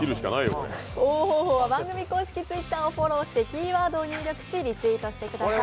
応募方法は番組公式ツイッターをフォローしてキーワードを入力して、リツイートしてください